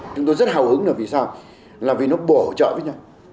chúng tôi rất hào hứng là vì sao là vì nó bổ trợ với nhau